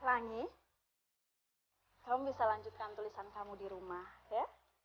kamu bisa lanjutkan tulisan kamu di rumah ya